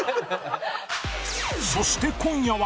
そして今夜は